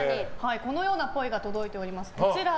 このような声が届いております。